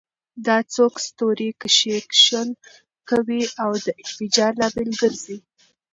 دا ځواک ستوري کښیکښل کوي او د انفجار لامل ګرځي.